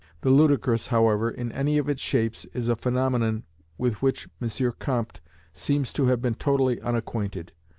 The ludicrous, however, in any of its shapes, is a phaenomenon with which M. Comte seems to have been totally unacquainted.